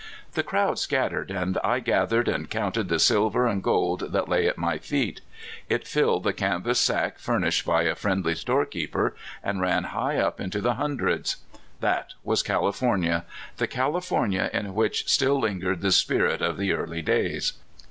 The crowd scattered, and I gathered and c unted the silver and gold that lay at my feet. It filled the canvas sack furnished bv a fri^ndi} store 174 Caltfornia Traits. keeper, and ran high up into the hundreds. That ^vas California — the California in which still lin gered the spirit of the early days.